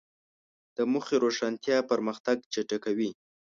د موخې روښانتیا پرمختګ چټکوي.